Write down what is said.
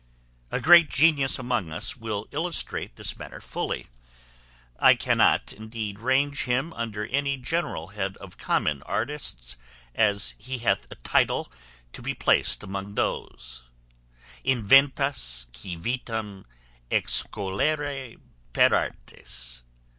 A great genius among us will illustrate this matter fully. I cannot, indeed, range him under any general head of common artists, as he hath a title to be placed among those _Inventas qui vitam excoluere per artes.